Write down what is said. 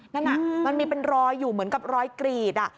นั่นมันมีเป็นรอยอยู่เหมือนกับรอยกรีด